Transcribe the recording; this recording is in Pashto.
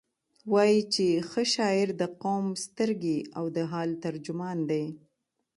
وایي چې ښه شاعر د قوم سترګې او د حال ترجمان دی.